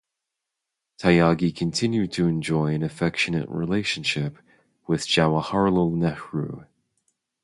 Tyagi continued to enjoy an affectionate relationship with Jawaharlal Nehru.